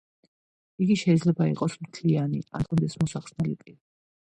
იგი შეიძლება იყოს მთლიანი, ან ჰქონდეს მოსახსნელი პირი.